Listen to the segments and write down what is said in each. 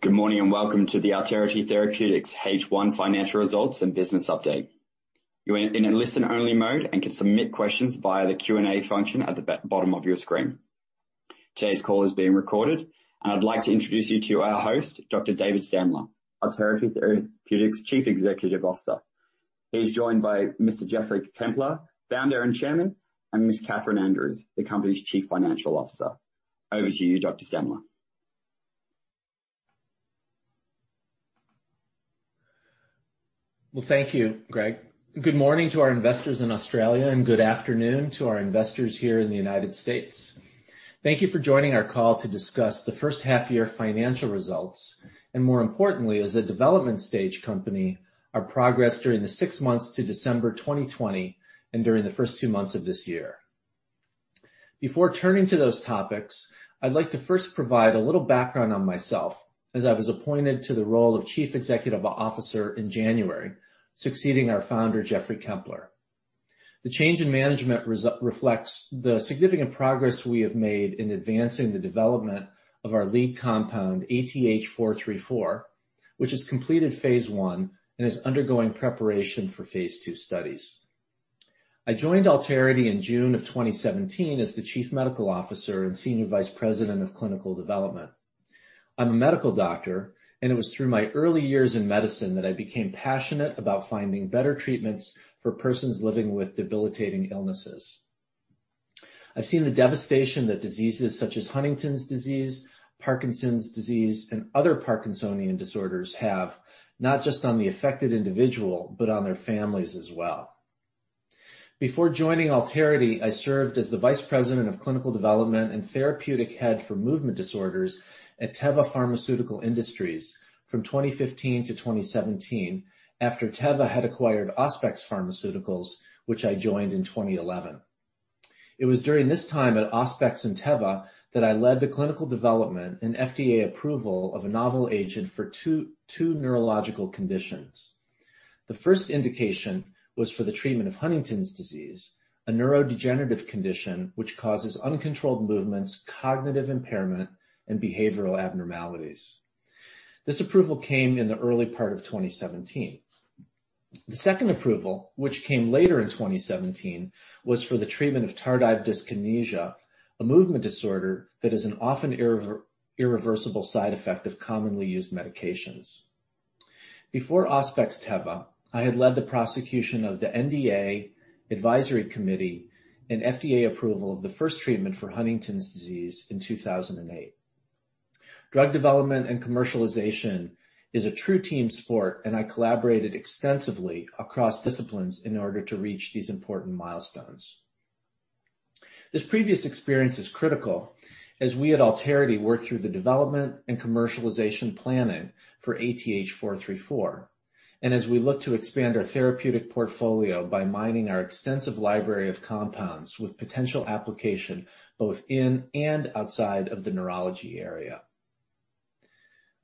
Good morning, and welcome to the Alterity Therapeutics H1 financial results and business update. You are in a listen-only mode and can submit questions via the Q&A function at the bottom of your screen. Today's call is being recorded, and I'd like to introduce you to our host, Dr. David Stamler, Alterity Therapeutics' Chief Executive Officer. He's joined by Mr. Geoffrey Kempler, Founder and Chairman, and Ms. Kathryn Andrews, the company's Chief Financial Officer. Over to you, Dr. Stamler. Well, thank you, Greg. Good morning to our investors in Australia. Good afternoon to our investors here in the United States. Thank you for joining our call to discuss the first half-year financial results. More importantly, as a development stage company, our progress during the six months to December 2020 and during the first two months of this year. Before turning to those topics, I'd like to first provide a little background on myself, as I was appointed to the role of Chief Executive Officer in January, succeeding our founder, Geoffrey Kempler. The change in management reflects the significant progress we have made in advancing the development of our lead compound, ATH434, which has completed Phase I and is undergoing preparation for Phase II studies. I joined Alterity in June of 2017 as the Chief Medical Officer and Senior Vice President of clinical development. I'm a medical doctor, and it was through my early years in medicine that I became passionate about finding better treatments for persons living with debilitating illnesses. I've seen the devastation that diseases such as Huntington's disease, Parkinson's disease, and other Parkinsonian disorders have, not just on the affected individual, but on their families as well. Before joining Alterity, I served as the vice president of clinical development and therapeutic head for movement disorders at Teva Pharmaceutical Industries from 2015 to 2017, after Teva had acquired Auspex Pharmaceuticals, which I joined in 2011. It was during this time at Auspex and Teva that I led the clinical development and FDA approval of a novel agent for two neurological conditions. The first indication was for the treatment of Huntington's disease, a neurodegenerative condition which causes uncontrolled movements, cognitive impairment, and behavioral abnormalities. This approval came in the early part of 2017. The second approval, which came later in 2017, was for the treatment of tardive dyskinesia, a movement disorder that is an often irreversible side effect of commonly used medications. Before Auspex, Teva, I had led the prosecution of the NDA Advisory Committee and FDA approval of the first treatment for Huntington's disease in 2008. Drug development and commercialization is a true team sport. I collaborated extensively across disciplines in order to reach these important milestones. This previous experience is critical as we at Alterity work through the development and commercialization planning for ATH434 and as we look to expand our therapeutic portfolio by mining our extensive library of compounds with potential application both in and outside of the neurology area.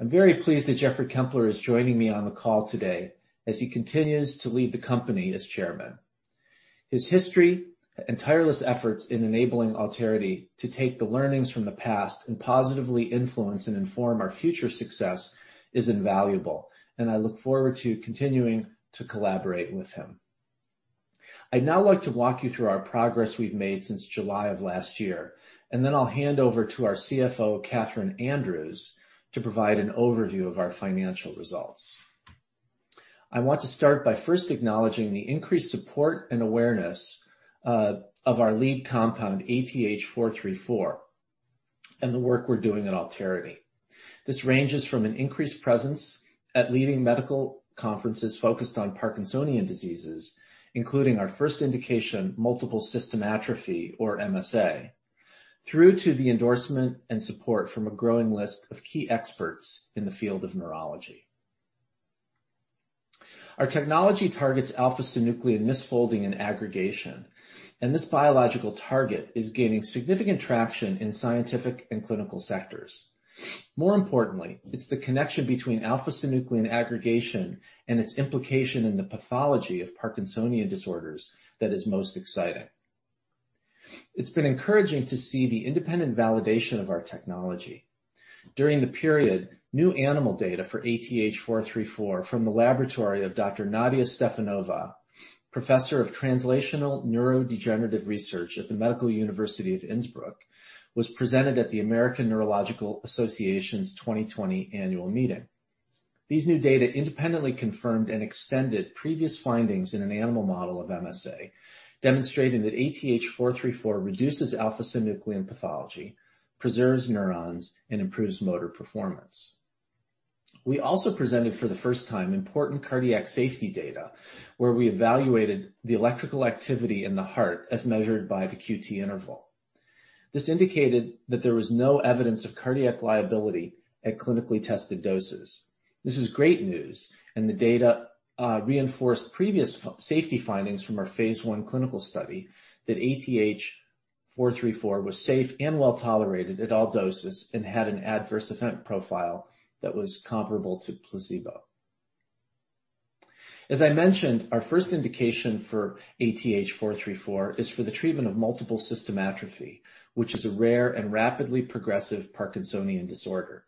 I am very pleased that Geoffrey Kempler is joining me on the call today as he continues to lead the company as chairman. His history and tireless efforts in enabling Alterity to take the learnings from the past and positively influence and inform our future success is invaluable, and I look forward to continuing to collaborate with him. I'd now like to walk you through our progress we've made since July of last year, and then I'll hand over to our CFO, Kathryn Andrews, to provide an overview of our financial results. I want to start by first acknowledging the increased support and awareness of our lead compound, ATH434, and the work we're doing at Alterity. This ranges from an increased presence at leading medical conferences focused on Parkinsonian diseases, including our first indication, multiple system atrophy, or MSA, through to the endorsement and support from a growing list of key experts in the field of neurology. Our technology targets alpha-synuclein misfolding and aggregation. This biological target is gaining significant traction in scientific and clinical sectors. More importantly, it's the connection between alpha-synuclein aggregation and its implication in the pathology of Parkinsonian disorders that is most exciting. It's been encouraging to see the independent validation of our technology. During the period, new animal data for ATH434 from the laboratory of Dr. Nadia Stefanova, professor of translational neurodegenerative research at the Medical University of Innsbruck, was presented at the American Neurological Association's 2020 annual meeting. These new data independently confirmed and extended previous findings in an animal model of MSA, demonstrating that ATH434 reduces alpha-synuclein pathology, preserves neurons, and improves motor performance. We also presented for the first time important cardiac safety data, where we evaluated the electrical activity in the heart as measured by the QT interval. This indicated that there was no evidence of cardiac liability at clinically tested doses. This is great news, and the data reinforced previous safety findings from our Phase I clinical study that ATH434 was safe and well-tolerated at all doses and had an adverse event profile that was comparable to placebo. As I mentioned, our first indication for ATH434 is for the treatment of multiple system atrophy, which is a rare and rapidly progressive Parkinsonian disorder.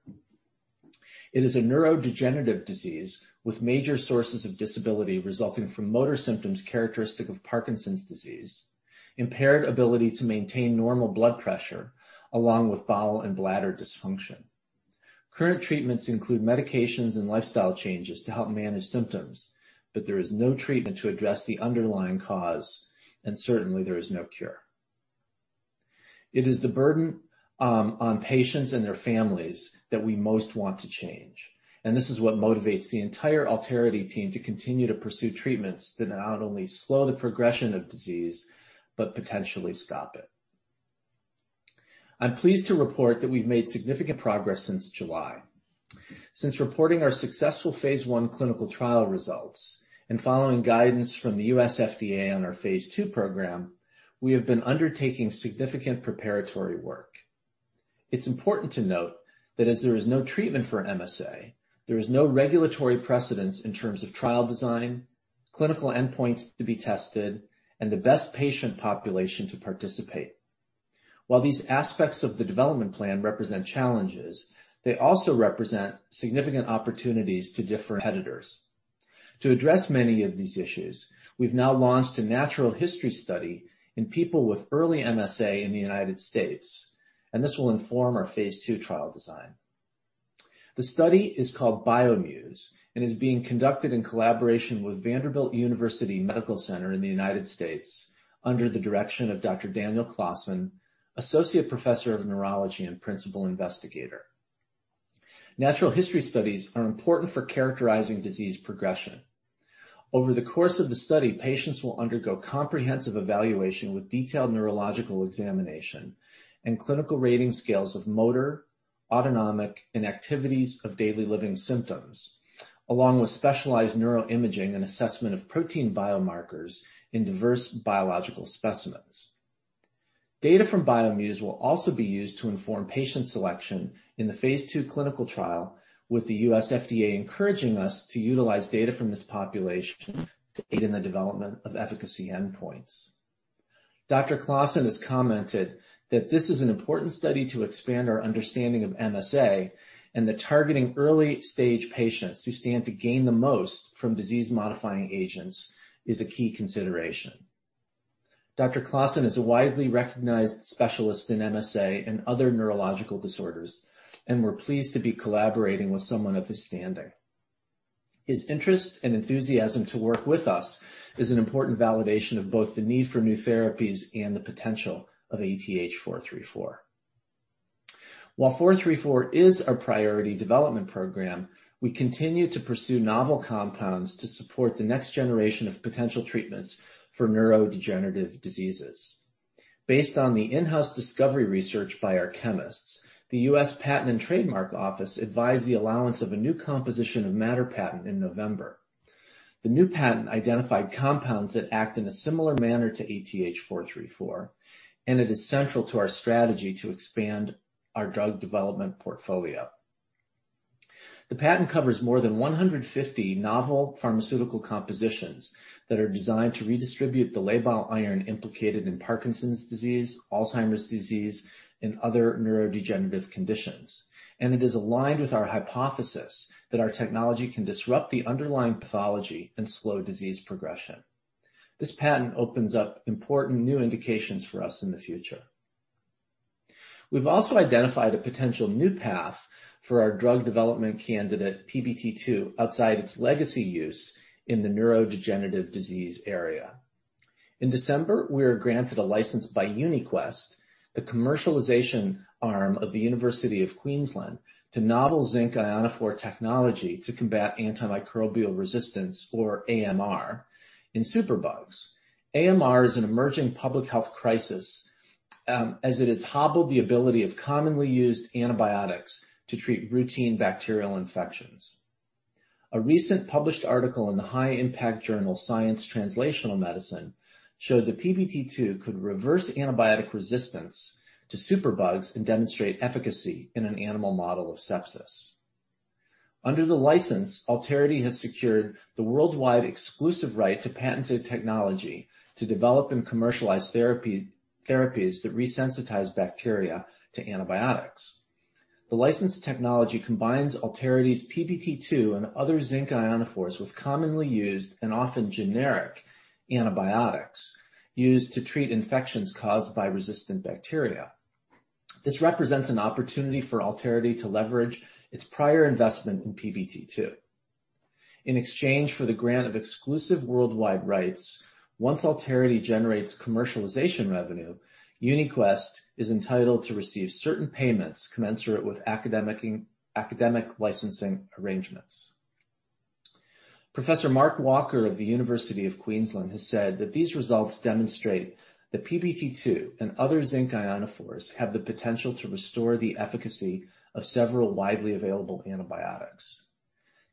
It is a neurodegenerative disease with major sources of disability resulting from motor symptoms characteristic of Parkinson's disease, impaired ability to maintain normal blood pressure, along with bowel and bladder dysfunction. Current treatments include medications and lifestyle changes to help manage symptoms, but there is no treatment to address the underlying cause, and certainly, there is no cure. It is the burden on patients and their families that we most want to change, and this is what motivates the entire Alterity team to continue to pursue treatments that not only slow the progression of disease but potentially stop it. I'm pleased to report that we've made significant progress since July. Since reporting our successful Phase I clinical trial results and following guidance from the U.S. FDA on our Phase II program, we have been undertaking significant preparatory work. It's important to note that as there is no treatment for MSA, there is no regulatory precedence in terms of trial design, clinical endpoints to be tested, and the best patient population to participate. While these aspects of the development plan represent challenges, they also represent significant opportunities as differentiators To address many of these issues, we've now launched a natural history study in people with early MSA in the U.S., and this will inform our Phase II trial design. The study is called bioMUSE and is being conducted in collaboration with Vanderbilt University Medical Center in the U.S. under the direction of Dr. Daniel Claassen, Associate Professor of Neurology and Principal Investigator. Natural history studies are important for characterizing disease progression. Over the course of the study, patients will undergo comprehensive evaluation with detailed neurological examination and clinical rating scales of motor, autonomic, and activities of daily living symptoms, along with specialized neuroimaging and assessment of protein biomarkers in diverse biological specimens. Data from bioMUSE will also be used to inform patient selection in the Phase II clinical trial, with the U.S. FDA encouraging us to utilize data from this population to aid in the development of efficacy endpoints. Dr. Claassen has commented that this is an important study to expand our understanding of MSA, and that targeting early-stage patients who stand to gain the most from disease-modifying agents is a key consideration. Dr. Claassen is a widely recognized specialist in MSA and other neurological disorders, and we're pleased to be collaborating with someone of his standing. His interest and enthusiasm to work with us is an important validation of both the need for new therapies and the potential of ATH434. While 434 is our priority development program, we continue to pursue novel compounds to support the next generation of potential treatments for neurodegenerative diseases. Based on the in-house discovery research by our chemists, the U.S. Patent and Trademark Office advised the allowance of a new composition of matter patent in November. It is central to our strategy to expand our drug development portfolio. The patent covers more than 150 novel pharmaceutical compositions that are designed to redistribute the labile iron implicated in Parkinson's disease, Alzheimer's disease, and other neurodegenerative conditions. It is aligned with our hypothesis that our technology can disrupt the underlying pathology and slow disease progression. This patent opens up important new indications for us in the future. We've also identified a potential new path for our drug development candidate, PBT2, outside its legacy use in the neurodegenerative disease area. In December, we were granted a license by UniQuest, the commercialization arm of The University of Queensland, to novel zinc ionophore technology to combat antimicrobial resistance, or AMR, in superbugs. AMR is an emerging public health crisis, as it has hobbled the ability of commonly used antibiotics to treat routine bacterial infections. A recent published article in the high-impact journal, "Science Translational Medicine," showed that PBT2 could reverse antibiotic resistance to superbugs and demonstrate efficacy in an animal model of sepsis. Under the license, Alterity has secured the worldwide exclusive right to patented technology to develop and commercialize therapies that resensitize bacteria to antibiotics. The licensed technology combines Alterity's PBT2 and other zinc ionophores with commonly used and often generic antibiotics used to treat infections caused by resistant bacteria. This represents an an opportunity for Alterity to leverage its prior investment in PBT2. In exchange for the grant of exclusive worldwide rights, once Alterity generates commercialization revenue, UniQuest is entitled to receive certain payments commensurate with academic licensing arrangements. Professor Mark Walker of The University of Queensland has said that these results demonstrate that PBT2 and other zinc ionophores have the potential to restore the efficacy of several widely available antibiotics.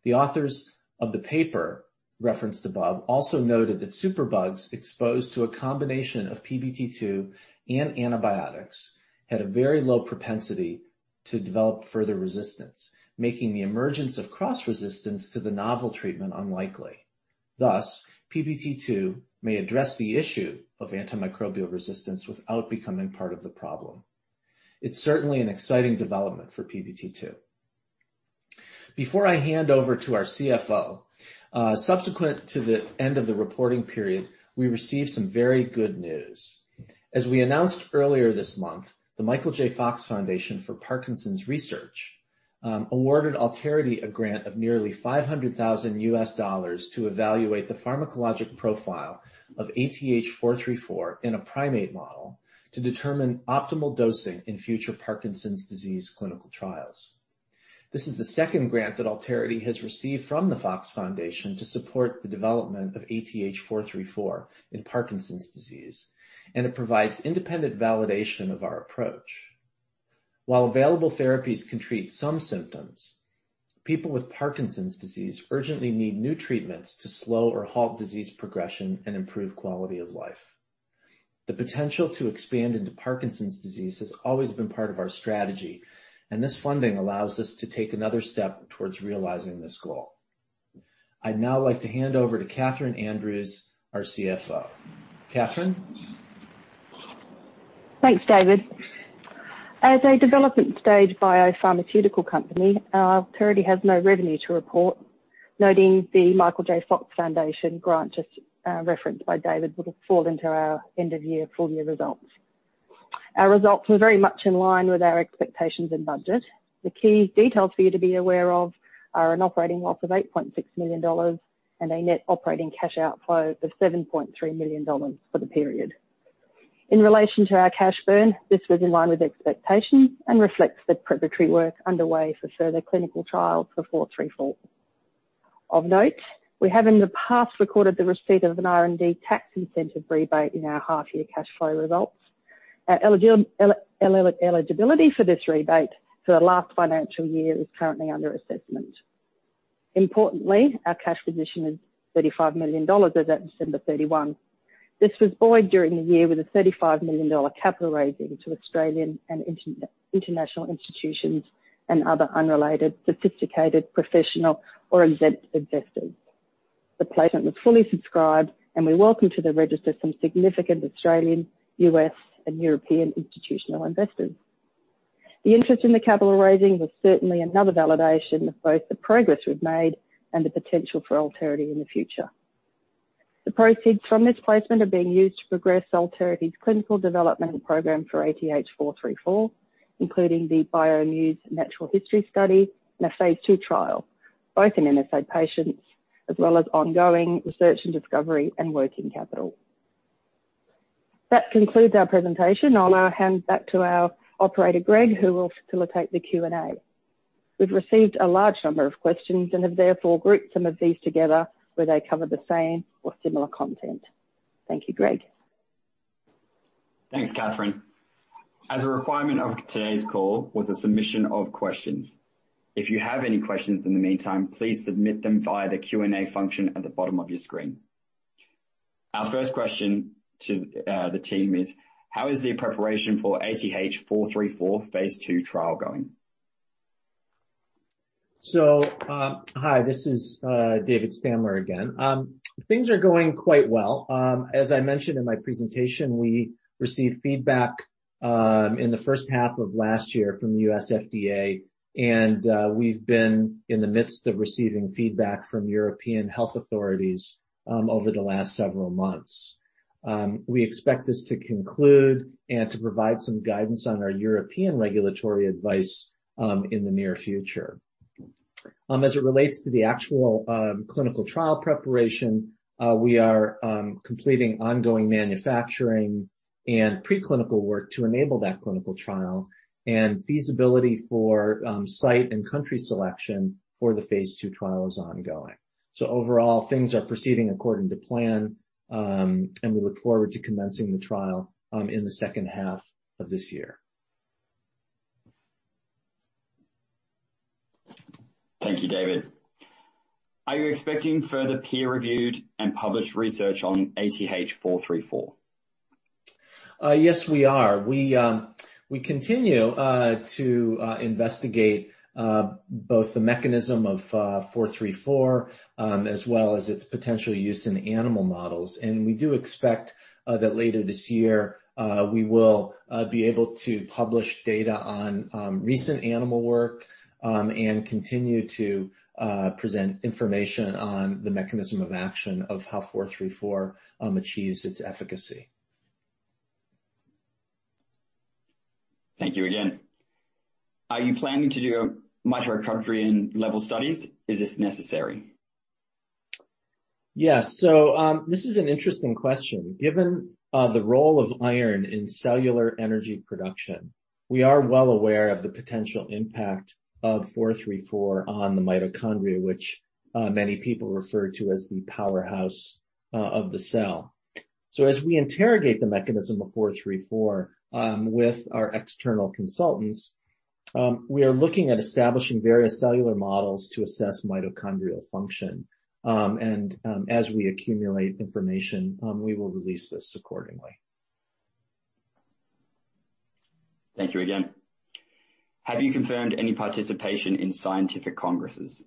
The authors of the paper referenced above also noted that superbugs exposed to a combination of PBT2 and antibiotics had a very low propensity to develop further resistance, making the emergence of cross resistance to the novel treatment unlikely. PBT2 may address the issue of antimicrobial resistance without becoming part of the problem. It's certainly an exciting development for PBT2. Before I hand over to our CFO, subsequent to the end of the reporting period, we received some very good news. As we announced earlier this month, the Michael J. Fox Foundation for Parkinson's Research awarded Alterity a grant of nearly $500,000 to evaluate the pharmacologic profile of ATH434 in a primate model to determine optimal dosing in future Parkinson's disease clinical trials. This is the second grant that Alterity has received from the Fox Foundation to support the development of ATH434 in Parkinson's disease, and it provides independent validation of our approach. While available therapies can treat some symptoms, people with Parkinson's disease urgently need new treatments to slow or halt disease progression and improve quality of life. The potential to expand into Parkinson's disease has always been part of our strategy, and this funding allows us to take another step towards realizing this goal. I'd now like to hand over to Kathryn Andrews, our CFO. Kathryn? Thanks, David. As a development stage biopharmaceutical company, Alterity has no revenue to report. Noting the Michael J. Fox Foundation grant just referenced by David would fall into our end of year full year results. Our results were very much in line with our expectations and budget. The key details for you to be aware of are an operating loss of 8.6 million dollars and a net operating cash outflow of 7.3 million dollars for the period. In relation to our cash burn, this was in line with expectation and reflects the preparatory work underway for further clinical trials for 434. Of note, we have in the past recorded the receipt of an R&D tax incentive rebate in our half year cash flow results. Our eligibility for this rebate for the last financial year is currently under assessment. Importantly, our cash position is 35 million dollars as at December 31. This was buoyed during the year with an 35 million dollar capital raising to Australian and international institutions and other unrelated, sophisticated, professional or exempt investors. The placement was fully subscribed. We welcome to the register some significant Australian, U.S., and European institutional investors. The interest in the capital raising was certainly another validation of both the progress we've made and the potential for Alterity in the future. The proceeds from this placement are being used to progress Alterity's clinical development program for ATH434, including the bioMUSE Natural History Study and a Phase II trial, both in MSA patients as well as ongoing research and discovery and working capital. That concludes our presentation. I'll now hand back to our operator, Greg, who will facilitate the Q&A. We've received a large number of questions and have therefore grouped some of these together where they cover the same or similar content. Thank you, Greg. Thanks, Kathryn. A requirement of today's call was the submission of questions. If you have any questions in the meantime, please submit them via the Q&A function at the bottom of your screen. Our first question to the team is, how is the preparation for ATH434 Phase II trial going? Hi. This is David Stamler again. Things are going quite well. As I mentioned in my presentation, we received feedback in the first half of last year from the U.S. FDA, and we've been in the midst of receiving feedback from European health authorities over the last several months. We expect this to conclude and to provide some guidance on our European regulatory advice in the near future. As it relates to the actual clinical trial preparation, we are completing ongoing manufacturing and preclinical work to enable that clinical trial, and feasibility for site and country selection for the Phase II trial is ongoing. Overall, things are proceeding according to plan, and we look forward to commencing the trial in the second half of this year. Thank you, David. Are you expecting further peer-reviewed and published research on ATH434? Yes, we are. We continue to investigate both the mechanism of 434 as well as its potential use in animal models. We do expect that later this year, we will be able to publish data on recent animal work and continue to present information on the mechanism of action of how 434 achieves its efficacy. Thank you again. Are you planning to do mitochondrial level studies? Is this necessary? Yes. This is an interesting question. Given the role of iron in cellular energy production, we are well aware of the potential impact of 434 on the mitochondria, which many people refer to as the powerhouse of the cell. As we interrogate the mechanism of 434 with our external consultants, we are looking at establishing various cellular models to assess mitochondrial function. As we accumulate information, we will release this accordingly. Thank you again. Have you confirmed any participation in scientific congresses?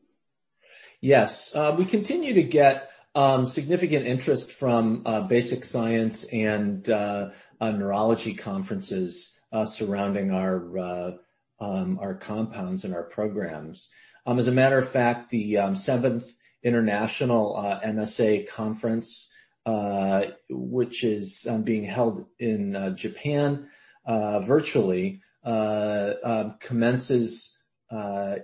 Yes. We continue to get significant interest from basic science and neurology conferences surrounding our compounds and our programs. As a matter of fact, the seventh International MSA Congress, which is being held in Japan virtually, commences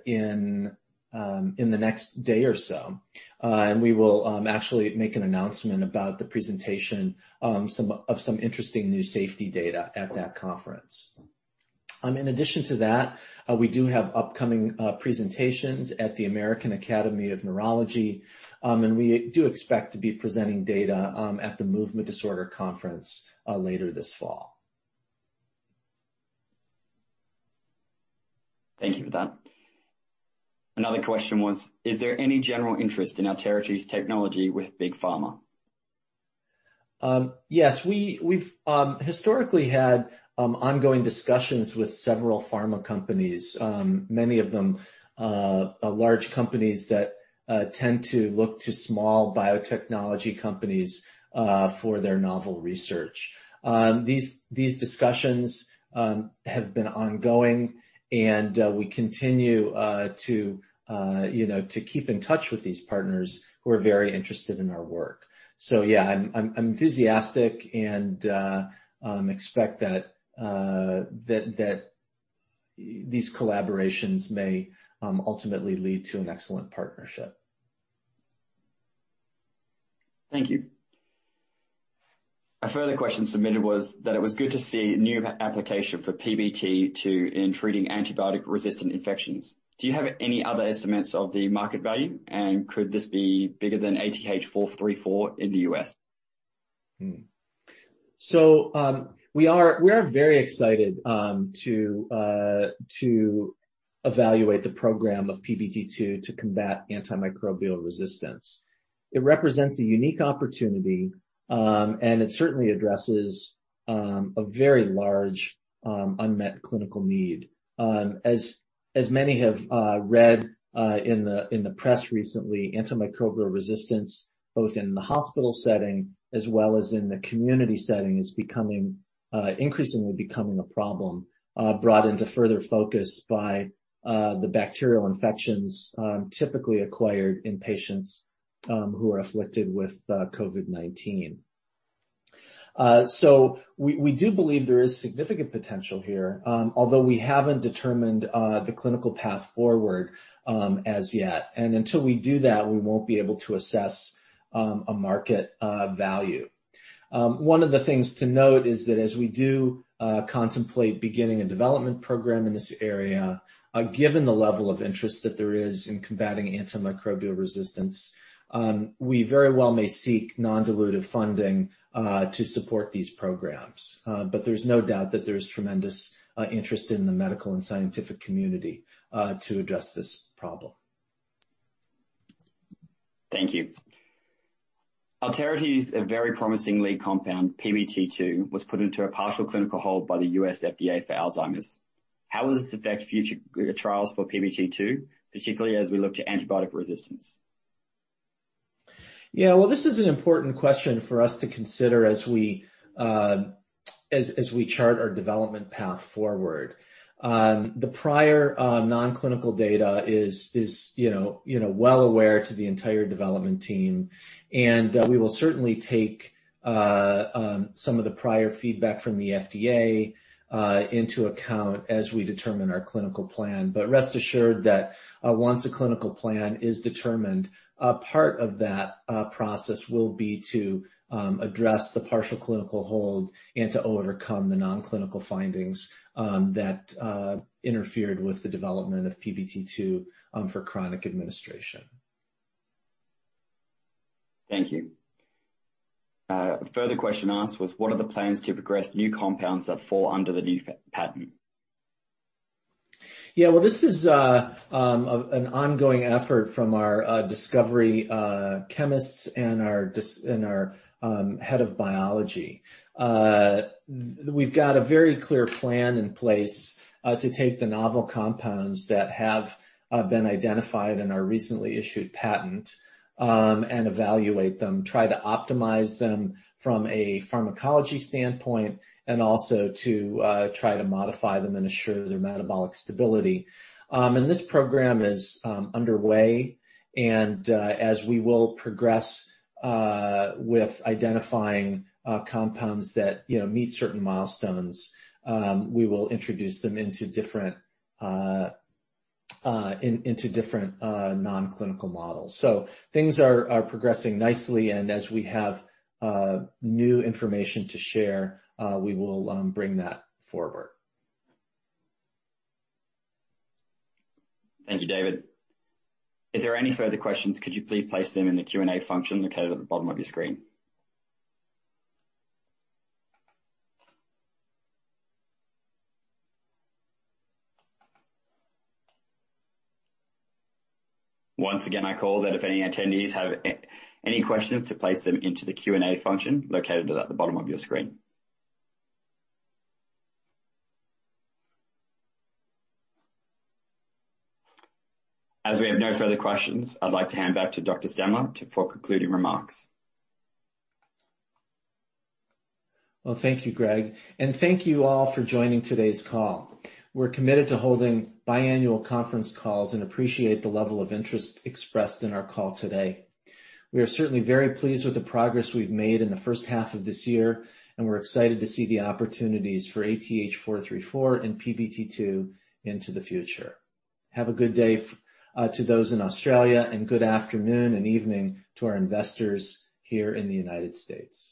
in the next day or so. We will actually make an announcement about the presentation of some interesting new safety data at that conference. In addition to that, we do have upcoming presentations at the American Academy of Neurology. We do expect to be presenting data at the Movement Disorder conference later this fall. Thank you for that. Another question was, is there any general interest in Alterity's technology with Big Pharma? Yes. We've historically had ongoing discussions with several pharma companies, many of them large companies that tend to look to small biotechnology companies for their novel research. These discussions have been ongoing, and we continue to keep in touch with these partners who are very interested in our work. Yeah, I'm enthusiastic and expect that these collaborations may ultimately lead to an excellent partnership. Thank you. A further question submitted was that it was good to see new application for PBT2 in treating antibiotic-resistant infections. Do you have any other estimates of the market value, and could this be bigger than ATH434 in the U.S.? We are very excited to evaluate the program of PBT2 to combat antimicrobial resistance. It represents a unique opportunity, and it certainly addresses a very large unmet clinical need. As many have read in the press recently, antimicrobial resistance, both in the hospital setting as well as in the community setting, is increasingly becoming a problem, brought into further focus by the bacterial infections typically acquired in patients who are afflicted with COVID-19. We do believe there is significant potential here, although we haven't determined the clinical path forward as yet. Until we do that, we won't be able to assess a market value. One of the things to note is that as we do contemplate beginning a development program in this area, given the level of interest that there is in combating antimicrobial resistance, we very well may seek non-dilutive funding to support these programs. There's no doubt that there's tremendous interest in the medical and scientific community to address this problem. Thank you. Alterity's very promising lead compound, PBT2, was put into a partial clinical hold by the U.S. FDA for Alzheimer's. How will this affect future trials for PBT2, particularly as we look to antibiotic resistance? Yeah. Well, this is an important question for us to consider as we chart our development path forward. The prior non-clinical data is well aware to the entire development team, and we will certainly take some of the prior feedback from the FDA into account as we determine our clinical plan. Rest assured that once a clinical plan is determined, a part of that process will be to address the partial clinical hold and to overcome the non-clinical findings that interfered with the development of PBT2 for chronic administration. Thank you. A further question asked was what are the plans to progress new compounds that fall under the new patent? Yeah. Well, this is an ongoing effort from our discovery chemists and our head of biology. We've got a very clear plan in place to take the novel compounds that have been identified in our recently issued patent and evaluate them, try to optimize them from a pharmacology standpoint, and also to try to modify them and assure their metabolic stability. This program is underway, and as we will progress with identifying compounds that meet certain milestones, we will introduce them into different non-clinical models. Things are progressing nicely, and as we have new information to share, we will bring that forward. Thank you, David. If there are any further questions, could you please place them in the Q&A function located at the bottom of your screen. Once again, I call that if any attendees have any questions, to place them into the Q&A function located at the bottom of your screen. As we have no further questions, I'd like to hand back to Dr. Stamler for concluding remarks. Thank you, Greg, and thank you all for joining today's call. We're committed to holding biannual conference calls and appreciate the level of interest expressed in our call today. We are certainly very pleased with the progress we've made in the first half of this year, and we're excited to see the opportunities for ATH434 and PBT2 into the future. Have a good day to those in Australia, and good afternoon and evening to our investors here in the United States.